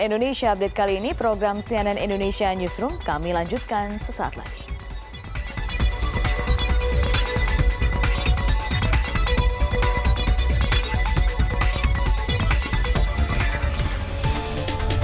di sian newsroom kami lanjutkan sesaat lagi